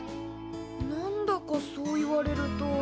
何だかそう言われると。